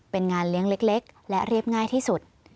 เป็นงานเลี้ยงเล็กและเรียบง่ายที่สุด